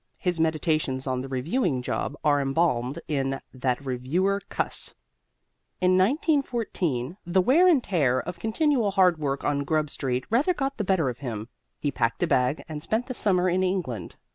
His meditations on the reviewing job are embalmed in "That Reviewer Cuss." In 1914 the wear and tear of continual hard work on Grub Street rather got the better of him: he packed a bag and spent the summer in England.